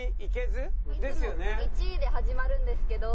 いつも１位で始まるんですけど。